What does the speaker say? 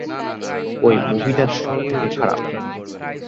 ওই মুভিটা সবথেকে খারাপ!